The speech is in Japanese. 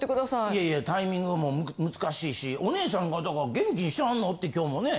いやいやタイミングがもう難しいしお姉さんが元気にしてはんの？って今日もね。